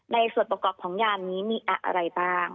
ในส่วนประกอบของยานนี้มีอะไรบ้าง